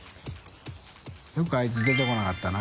茲あいつ出てこなかったな。